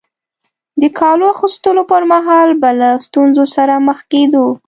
د کالو اغوستلو پر مهال به له ستونزو سره مخ کېدو.